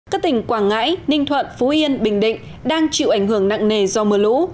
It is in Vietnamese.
các tỉnh quảng ngãi ninh thuận phú yên bình định đang chịu ảnh hưởng nặng nề do mưa lũ